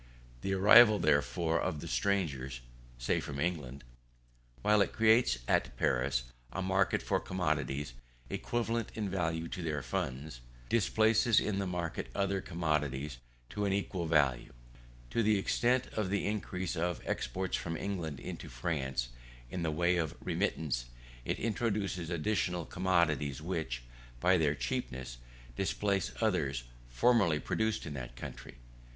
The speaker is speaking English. The arrival, therefore, of the strangers (say from England), while it creates at Paris a market for commodities equivalent in value to their funds, displaces in the market other commodities to an equal value. To the extent of the increase of exports from England into France in the way of remittance, it introduces additional commodities which, by their cheapness, displace others formerly produced in that country.